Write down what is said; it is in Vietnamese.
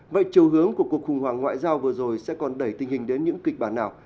vậy chiều hướng của cuộc khủng hoảng ngoại giao vừa rồi sẽ còn đẩy tình hình đến những kịch bản nào